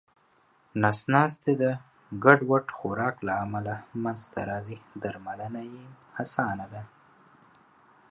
نس ناستی د ګډوډ خوراک له امله منځته راځې درملنه یې اسانه ده